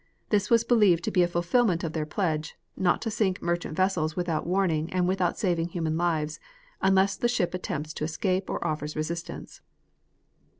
This was believed to be a fulfilment of their pledge "not to sink merchant vessels without warning and without saving human lives, unless the ship attempts to escape or offers resistance."